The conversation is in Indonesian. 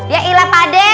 ya ilah pakde